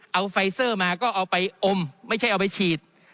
เอาไฟเซอร์มาก็เอาไปอมไม่ใช่เอาไปฉีด